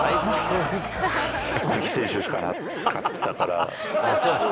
牧選手しかなかったから。